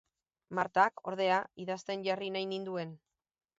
Martak, ordea, idazten jarri nahi ninduen.